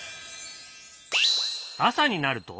朝になると。